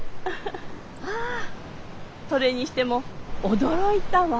あそれにしても驚いたわ。